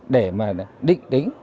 để mà định tính